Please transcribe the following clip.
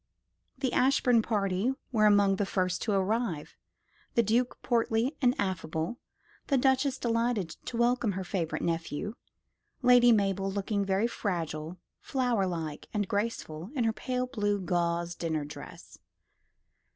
The Ashbourne party were among the first to arrive; the Duke portly and affable; the Duchess delighted to welcome her favourite nephew; Lady Mabel looking very fragile, flower like, and graceful, in her pale blue gauze dinner dress.